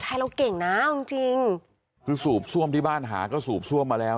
ไทยเราเก่งน่าจริงคือสูบสวมที่บ้านหาก็สูบสวมมาแล้ว